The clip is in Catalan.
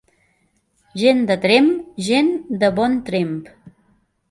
Gent de Tremp, gent de bon tremp.